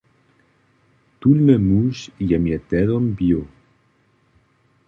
Tónle muž je mje tehdom bił!